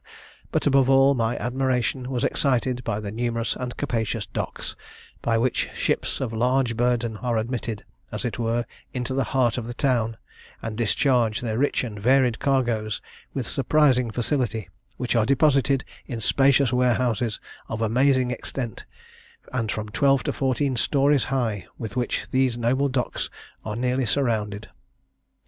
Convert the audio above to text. but, above all, my admiration was excited by the numerous and capacious docks, by which ships of large burden are admitted, as it were, into the heart of the town, and discharge their rich and varied cargoes with surprising facility, which are deposited in spacious warehouses, of amazing extent, and from twelve to fourteen stories high, with which these noble docks are nearly surrounded.